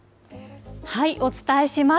お伝えします。